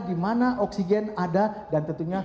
dimana oksigen ada dan tentunya